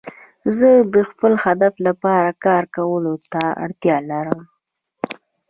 زه د خپل هدف لپاره کار کولو ته اړتیا لرم.